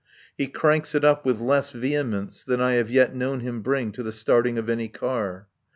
He cranks it up with less vehemence than I have yet known him bring to the starting of any car.